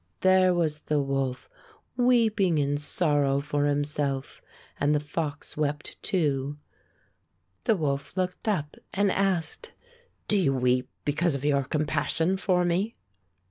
There was the wolf weeping in sorrow for himself; and the fox wept, too. The wolf looked up and asked, "Do you weep because of your compassion for me.'